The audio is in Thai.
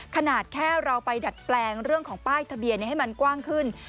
ขนาดแค่เราไปดัดแปลงเรื่องของป้ายทะเบียนให้มันกว้างขึ้น